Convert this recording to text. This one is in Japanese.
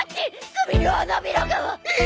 首に花びらが。え！